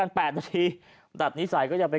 คุณธิชานุลภูริทัพธนกุลอายุ๓๔